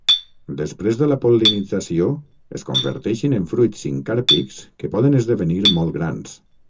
Després de la pol·linització, es converteixen en fruits sincàrpics que poden esdevenir molt grans.